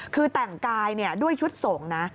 คือแต่งกายเนี่ยด้วยชุดส่งนะ